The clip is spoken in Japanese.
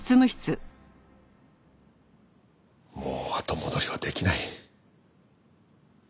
もう後戻りはできない。